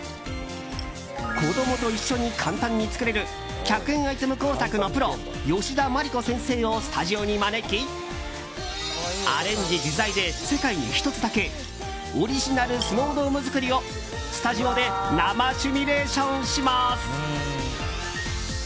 子供と一緒に簡単に作れる１００円アイテム工作のプロ吉田麻理子先生をスタジオに招きアレンジ自在で世界に１つだけオリジナルスノードーム作りをスタジオで生趣味レーションします。